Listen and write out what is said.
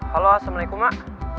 halo assalamualaikum mak